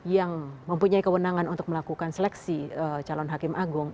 yang mempunyai kewenangan untuk melakukan seleksi calon hakim agung